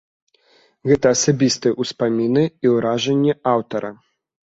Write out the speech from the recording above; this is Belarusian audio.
Гэта асабістыя ўспаміны і ўражанні аўтара.